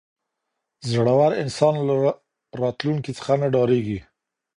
زړور انسان له راتلونکي څخه نه ډاریږي.